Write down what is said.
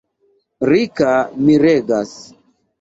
Rika miregas.